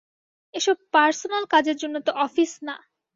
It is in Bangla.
এসব পার্সোনাল কাজের জন্যে তো অফিস না।